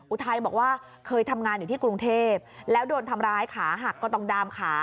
อุทัยบอกว่าเคยทำงานอยู่ที่กรุงเทพแล้วโดนทำร้ายขาหักก็ต้องดามขา